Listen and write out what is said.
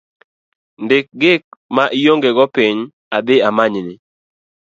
Ndik gik maionge go piny , adhi amanyni